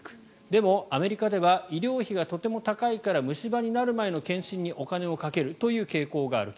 でも、アメリカでは医療費がとても高いから虫歯になる前の検診にお金をかける傾向がある。